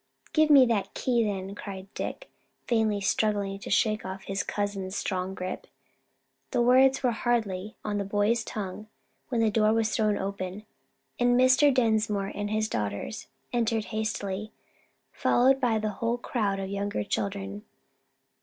"Give me that key then," cried Dick, vainly struggling to shake off his cousin's strong grip. The words were hardly on the boy's tongue, when the door was thrown open, and Mr. Dinsmore and his daughters entered hastily, followed by the whole crowd of younger children.